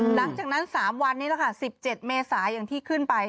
หลังจากนั้น๓วันนี้แหละค่ะ๑๗เมษาอย่างที่ขึ้นไป